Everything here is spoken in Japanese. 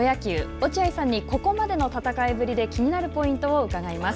落合さんにここまでの戦いぶりで気になるポイントを伺います。